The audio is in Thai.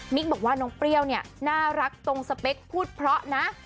บอกว่าน้องเปรี้ยวเนี่ยน่ารักตรงสเปคพูดเพราะนะ